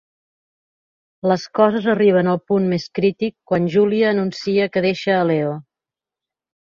Les coses arriben al punt més crític quan Julia anuncia que deixa a Leo.